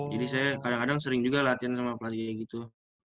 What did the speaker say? jadi saya kadang kadang sering juga latihan sama pelatih kayak gitu